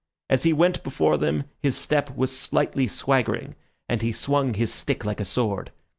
As he went before them his step was slightly swaggering, and he swung his stick like a sword.